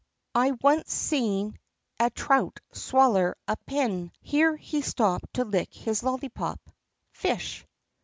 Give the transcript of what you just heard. "I onct seen a trout swaller a pin" — here he stopped to lick his lollypop — "fish."